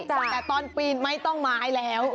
แต่ตอนปีนไม่ต้องไม้แล้ว